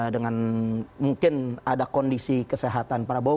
dengan mungkin ada kondisi kesehatan para bau